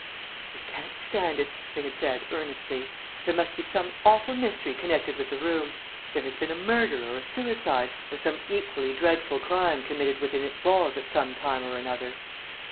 "We can't stand it," they had said, earnestly. "There must be some awful mystery connected with the room. There has been a murder, or a suicide, or some equally dreadful crime committed within its walls at some time or another."